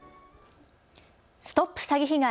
ＳＴＯＰ詐欺被害！